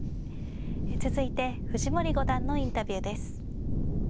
続いて藤森五段のインタビューです。